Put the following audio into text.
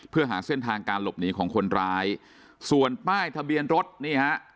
เพื่อหาเส้นทางการหลบหนีของคนร้ายส่วนป้ายทะเบียนรถนี่ฮะ